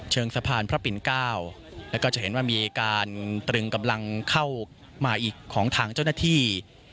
สะพานพระปิ่นเก้าแล้วก็จะเห็นว่ามีการตรึงกำลังเข้ามาอีกของทางเจ้าหน้าที่